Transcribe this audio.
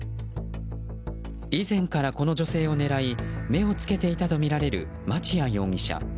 以前からこの女性を狙い目をつけていたとみられる町屋容疑者。